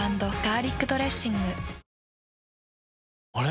あれ？